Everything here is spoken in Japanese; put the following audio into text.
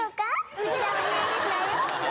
こちらがお似合いですわよ。